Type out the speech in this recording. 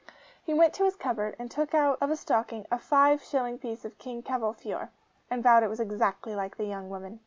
He went to his cupboard, and took out of a stocking a five shilling piece of King Cavolfiore, and vowed it was exactly like the young woman.